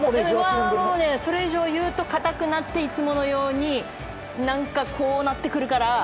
それ以上言うと堅くなっていつものように何か、こうなってくるから。